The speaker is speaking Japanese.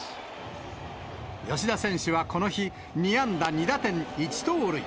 吉田選手はこの日、２安打２打点１盗塁。